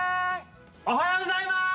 おはようございまーす！